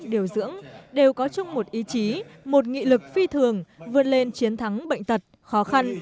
điều dưỡng đều có chung một ý chí một nghị lực phi thường vươn lên chiến thắng bệnh tật khó khăn